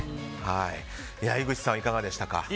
井口さんはいかがでしたか？